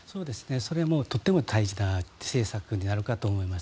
それもとても大事な政策になるかと思います。